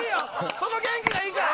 その元気がいいから！